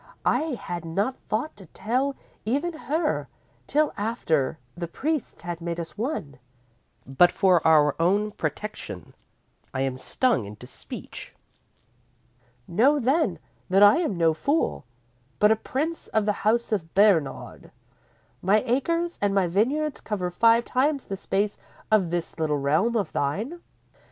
I had not thought to tell even her till after the priests had made us one, but for our own protection, I am stung into speech._ _"Know then, that I am no fool, but a Prince of the House of Bernard. My acres and my vineyards cover five times the space of this little realm of thine.